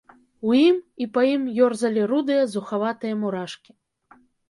У ім і па ім ёрзалі рудыя, зухаватыя мурашкі.